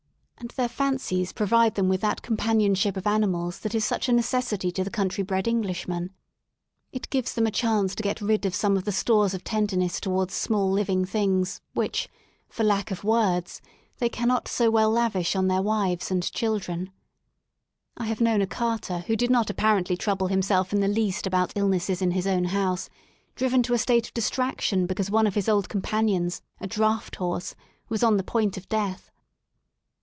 And their fancies "] provide them with that companionship of animals that ^ is such a necessity to the country bred Englishman. i It gives them a chance to get rid of some of the stores of tenderness towards small living things which, for lack of words, they cannot so well lavish on their wives and children. I have known a carter who did not ap parently trouble himself in the least about illnesses in his own house, driven to a state of distraction because one of his old companions, a draught horse, was on the point of death.